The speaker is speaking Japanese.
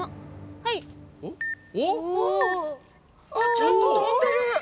ちゃんと飛んでる！